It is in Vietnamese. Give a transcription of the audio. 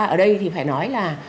ở đây thì phải nói là